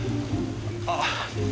あっ。